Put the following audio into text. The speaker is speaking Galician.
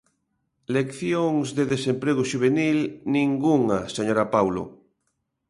Leccións de desemprego xuvenil, ningunha, señora Paulo.